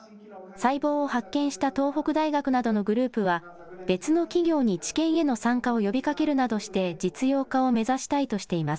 細胞を発見した東北大学などのグループは、別の企業に治験への参加を呼びかけるなどして実用化を目指したいとしています。